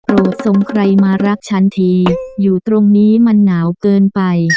ทรงใครมารักฉันทีอยู่ตรงนี้มันหนาวเกินไป